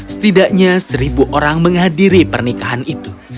setidaknya seribu orang menghadiri pernikahan itu